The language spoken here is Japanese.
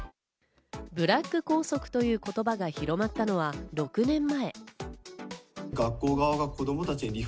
ブラック校則という言葉が広まったのは６年前。